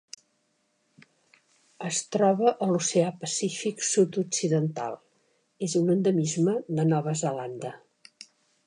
Es troba a l'Oceà Pacífic sud-occidental: és un endemisme de Nova Zelanda.